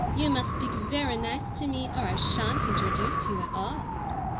You must speak verra nice to me or I sha'n't introduce you at all."